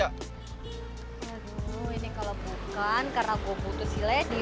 aduh ini kalau bukan karena aku butuh si lady